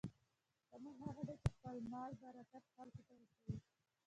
شتمن هغه دی چې د خپل مال برکت خلکو ته رسوي.